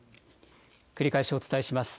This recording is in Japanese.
繰り返しお伝えします。